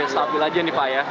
stabil aja nih pak ya